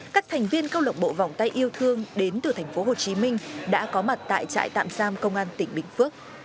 các thành viên câu lộc bộ vòng tay yêu thương đến từ tp hcm đã có mặt tại trại tạm giam công an tỉnh bình phước